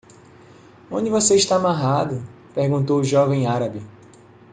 "Onde você está amarrado?" perguntou o jovem árabe.